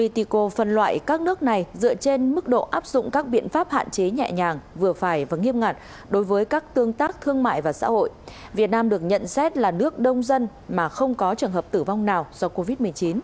tại các nước này dựa trên mức độ áp dụng các biện pháp hạn chế nhẹ nhàng vừa phải và nghiêm ngặt đối với các tương tác thương mại và xã hội việt nam được nhận xét là nước đông dân mà không có trường hợp tử vong nào do covid một mươi chín